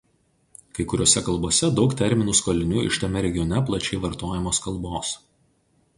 Kai kuriose kalbose daug terminų skolinių iš tame regione plačiai vartojamos kalbos.